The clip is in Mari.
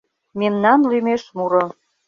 Мемнан лӱмеш муро